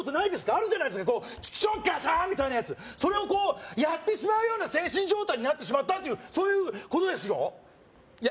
あるじゃないですかチクショーガシャーンみたいなやつそれをやってしまうような精神状態になってしまったというそういうことですよいや